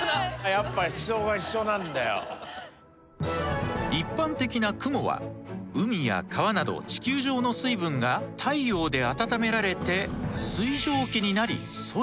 やっぱり一般的な雲は海や川など地球上の水分が太陽で温められて水蒸気になり空へ。